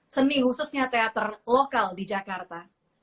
seni khususnya teater lokal di jakarta